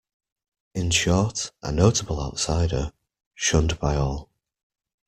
In short, a notable outsider, shunned by all.